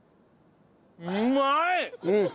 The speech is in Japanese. うまい！